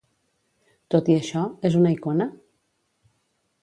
Tot i això, és una icona?